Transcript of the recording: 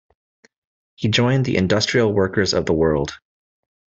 He joined the Industrial Workers of the World.